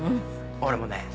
俺もね